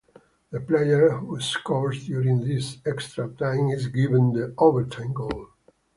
The player who scores during this extra time is given the overtime goal.